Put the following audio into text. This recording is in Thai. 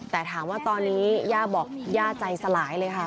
แต่ถามว่าตอนนี้ย่าบอกย่าใจสลายเลยค่ะ